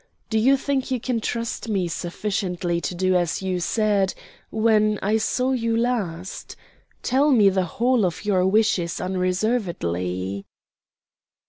Do you think you can trust me sufficiently to do as you said when I saw you last tell me the whole of your wishes unreservedly?"